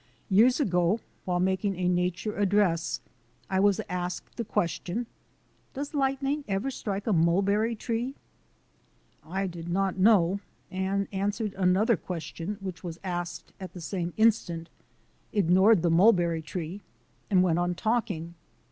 Years ago, while making a nature address, I was asked the question: "Does lightning ever strike a mulberry tree?" I did not know, and answered another question which was asked at the same instant, ignored the mulberry tree, and went on talking.